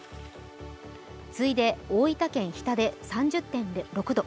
次いで大分県日田で３０．６度。